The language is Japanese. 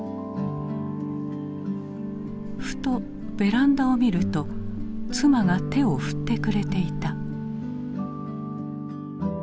ふとベランダを見ると妻が手を振ってくれていた。